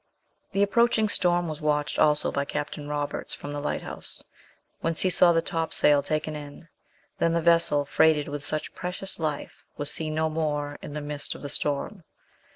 '* The approaching storm was watched also by Captain Roberts from the li^ht house, whence he saw the top sail taken in; then the vessel freighted with such precious life was seen no more in the mist of the storm.